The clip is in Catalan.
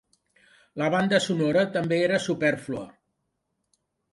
La banda sonora també era supèrflua.